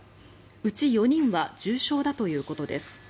うち４人は重傷だということです。